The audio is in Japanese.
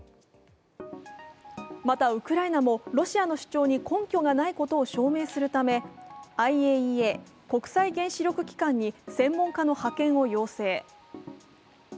また、ウクライナもロシアの主張に根拠がないことを証明するためＩＡＥＡ＝国際原子力機関に専門家の派遣を要請。